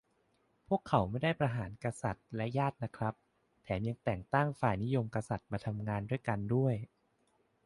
พวกเขาไม่ได้ประหารกษัตริย์และญาตินะครับ แถมแต่งตั้งฝ่ายนิยมกษัตริย์มาทำงานด้วยกันด้วย